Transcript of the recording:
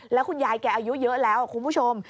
แล้วคุณยายแกอายุเยอะแล้วคุณผู้ชม